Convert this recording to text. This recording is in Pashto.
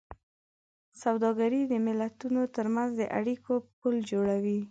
سوداګري د ملتونو ترمنځ د اړیکو پُل جوړوي.